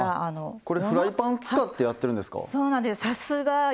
あっこれフライパン使ってやってるんですか？